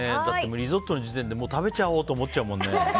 リゾットの時点で食べちゃおうって思うもんね。